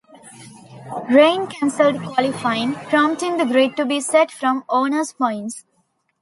Rain cancelled qualifying, prompting the grid to be set from owner's points.